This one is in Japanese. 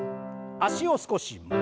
脚を少し前へ。